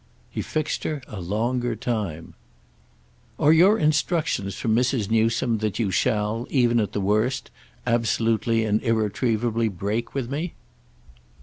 He fixed her a longer time. "Are your instructions from Mrs. Newsome that you shall, even at the worst, absolutely and irretrievably break with me?"